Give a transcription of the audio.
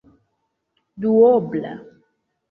duobla